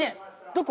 どこ？